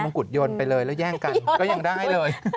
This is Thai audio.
งกุฎยนต์ไปเลยแล้วแย่งกันก็ยังได้เลย